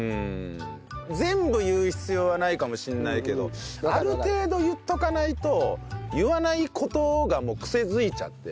全部言う必要はないかもしんないけどある程度言っとかないと言わない事がもう癖づいちゃって。